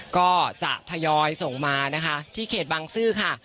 ก็จะทยอยส่งมานะคะที่เขตบังซื้อค่ะ